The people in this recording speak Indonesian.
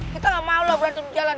kita gak maulah berantem jalan